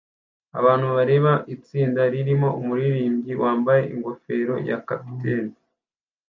Abantu bareba itsinda ririmo umuririmbyi wambaye ingofero ya capitaine